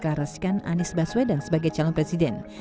deklarasikan anies baswedan sebagai calon presiden